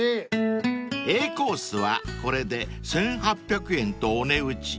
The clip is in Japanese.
［Ａコースはこれで１，８００円とお値打ち］